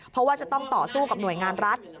เพราะว่าจะต้องต่อสู้กับหน่วยงานรัฐ